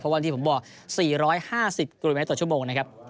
วันที่ผมบอก๔๕๐กิโลเมตรต่อชั่วโมงนะครับ